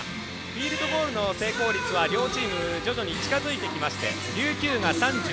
フィールドゴールの成功率は両チーム徐々に近づいてきまして琉球が３２％。